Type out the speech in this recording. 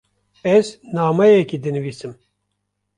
Ez nameyekê dinivîsim.